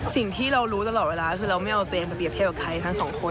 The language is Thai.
สิ่งที่เรารู้ตลอดเวลาคือเราไม่เอาตัวเองไปเรียบเทียบกับใครทั้งสองคน